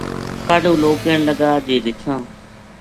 کاہڈوں لوک کہن لگا جے رچھا ں